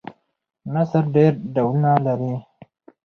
نثر ډېر ډولونه لري.